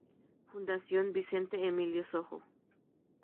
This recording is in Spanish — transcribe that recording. Fundación Vicente Emilio Sojo.